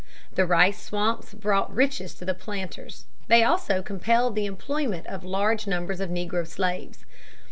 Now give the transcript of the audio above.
The rice swamps brought riches to the planters, they also compelled the employment of large numbers of negro slaves.